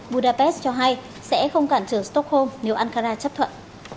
budapest cho hay sẽ không cản trở stockholm nếu ankara chấp thuận